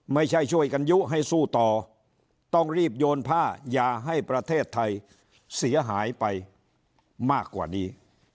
ไม่ใช่ช่วยกันยุให้สู้ต่อต้องรีบโยนผ้าอย่าให้ประเทศไทยเสียหายไปมากกว่านี้